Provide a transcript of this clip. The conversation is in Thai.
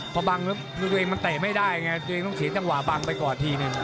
พอบางมันเตะไม่ได้มันต้องเสร็จแต่ว่าบางไปก่อนทีหนึ่ง